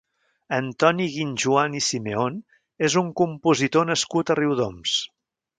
Antoni Guinjoan i Simeón és un compositor nascut a Riudoms.